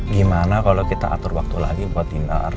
gimana kalau kita atur waktu lagi buat hindar